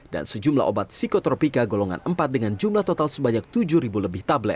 dan sejumlah obat psikotropika golongan empat dengan jumlah total sebanyak tujuh ribu lebih tablet